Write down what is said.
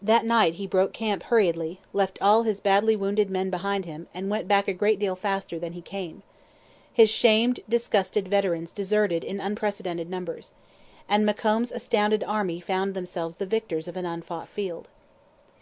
That night he broke camp hurriedly, left all his badly wounded men behind him, and went back a great deal faster than he came. His shamed, disgusted veterans deserted in unprecedented numbers. And Macomb's astounded army found themselves the victors of an unfought field.